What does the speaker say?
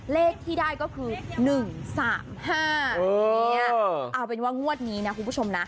เรทที่ได้ก็คือหนึ่งสามห้าเออเออออกเป็นว่างวัดนี้นะคุณผู้ชมนะ